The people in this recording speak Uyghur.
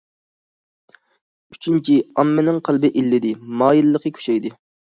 ئۈچىنچى، ئاممىنىڭ قەلبى ئىللىدى، مايىللىقى كۈچەيدى.